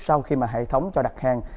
sau khi mà hệ thống cho đặt hàng